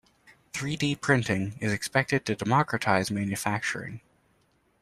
Three-D printing is expected to democratize manufacturing.